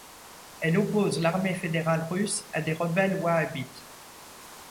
Elle oppose l'armée fédérale russe à des rebelles wahhabites.